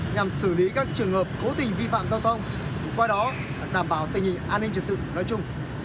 nhằm xử lý các trường hợp cố tình vi phạm giao thông qua đó đảm bảo tình hình an ninh trật tự nói chung